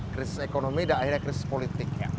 krisis ekonomi dan akhirnya krisis politik